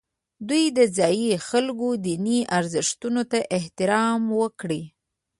دوی د ځایي خلکو دیني ارزښتونو ته احترام وکړي.